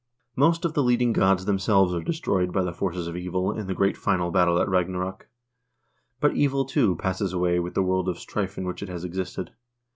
Most of the leading gods themselves are destroyed by the forces of evil in the great final battle at Ragnarok. But evil, too, passes away with the world of strife in which it has existed.